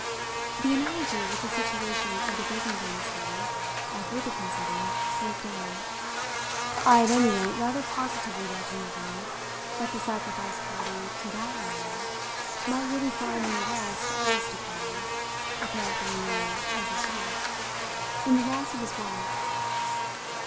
The analogy with the situation of the Brissendens here, I further considered, broke down; I at any rate rather positively welcomed the view that the sacrificed party to that union might really find the arrest of his decline, if not the renewal of his youth, in the loss of his wife.